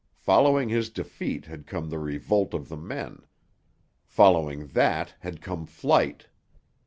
Following his defeat had come the revolt of the men. Following that had come flight.